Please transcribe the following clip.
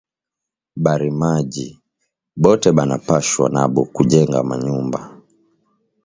Barimaji bote bana pashwa nabo ku jenga ma nyumba